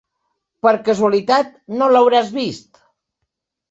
Per casualitat no l'hauràs vist?